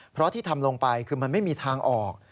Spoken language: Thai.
เพราะที่ทำลงไปคือมันไม่มีทางออก